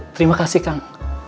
terima kasih kang